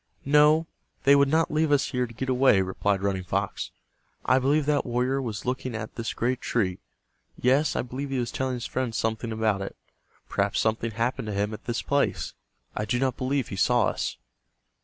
"No, they would not leave us here to get away," replied Running Fox. "I believe that warrior was looking at this great tree. Yes, I believe he was telling his friend something about it. Perhaps something happened to him at this place. I do not believe he saw us."